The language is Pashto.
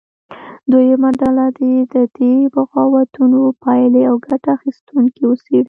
دویمه ډله دې د دې بغاوتونو پایلې او ګټه اخیستونکي وڅېړي.